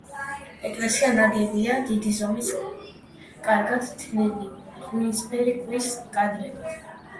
ეკლესია ნაგებია დიდი ზომის კარგად თლილი, ღვინისფერი ქვის კვადრებით.